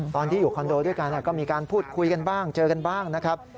ตอนที่อยู่คอนโดด้วยกันก็มีการพูดคุยกันบ้างเจอกันบ้างนะครับ